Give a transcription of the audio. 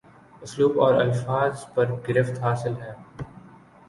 اسلوب اور الفاظ پر گرفت حاصل ہے